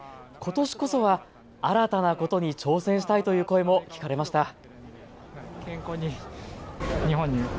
ことしこそは新たなことに挑戦したいという声も聞かれました。